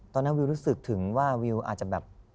ตอนนั้นวิวรู้สึกถึงว่าวิวอาจจะแบบ